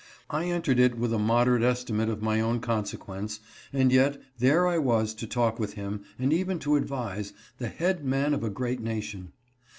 I entered it with a moderate estimate of my own consequence, and yet there I was to talk with, and even to advise, the head man of a great nation.